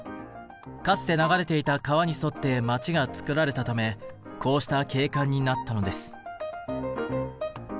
かつて流れていた川に沿って街がつくられたためこうした景観になったのです。